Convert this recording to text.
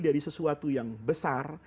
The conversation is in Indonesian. dari sesuatu yang besar